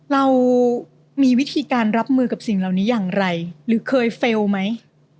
เรามีวิธีการรับมือกับสิ่งเหล่านี้อย่างไรหรือเคยเฟลล์ไหม